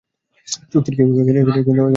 চুক্তির কী হবে?